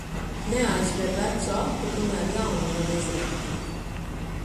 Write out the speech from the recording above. Neaizber vecu aku, kamēr jauna nav izrakta.